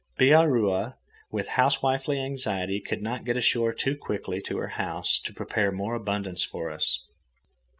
Bihaura, with housewifely anxiety, could not get ashore too quickly to her house to prepare more abundance for us.